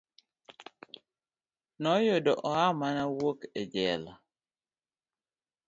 Noyudo oa mana wuok e jela.